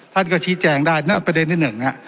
ท่านก็ชี้แจงได้ประเด็นที่หนึ่งฮะ